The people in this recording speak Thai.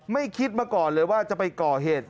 ไม่คิดมาก่อนเลยว่าจะไปก่อเหตุ